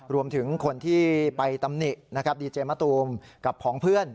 รวมถึงคนที่ไปตำหนิดีเจมัตตูมกับของเพื่อน